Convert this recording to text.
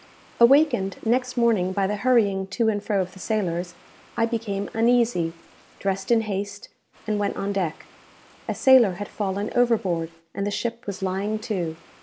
Awakened next morning by the hurrying to and fro of the sailors, I became uneasy, dressed in haste, and went on deck. A sailor had fallen overboard, and the ship was lying to.